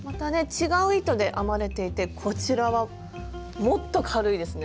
違う糸で編まれていてこちらはもっと軽いですね。